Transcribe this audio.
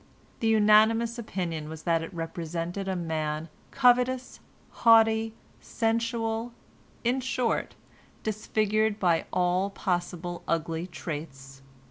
The unanimous opinion was that it represented a man covetous, haughty, sensual, in short, disfigured by all possible ugly traits.